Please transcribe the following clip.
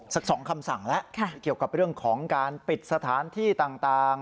สัก๒คำสั่งแล้วเกี่ยวกับเรื่องของการปิดสถานที่ต่าง